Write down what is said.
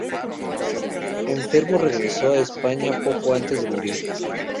Enfermo, regresó a España poco antes de morir.